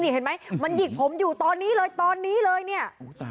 เห็นไหมมันหยิกผมอยู่ตอนนี้เลยตอนนี้เลยเนี่ย